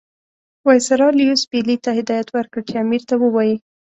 وایسرا لیویس پیلي ته هدایت ورکړ چې امیر ته ووایي.